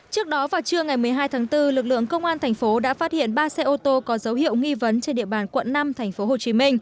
trước đó vào trưa ngày một mươi hai tháng bốn lực lượng công an tp đã phát hiện ba xe ô tô có dấu hiệu nghi vấn trên địa bàn quận năm tp hcm